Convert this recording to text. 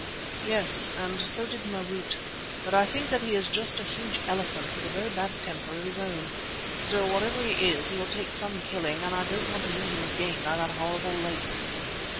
"Yes, and so did Marût; but I think that he is just a huge elephant with a very bad temper of his own. Still, whatever he is, he will take some killing, and I don't want to meet him again by that horrible lake."